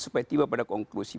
supaya tiba pada konklusi